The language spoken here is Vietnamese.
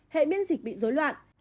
hệ miễn dịch bị dối loạn